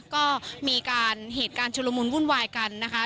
ก็มีการเหตุการณ์ชุลมุนวุ่นวายกันนะคะ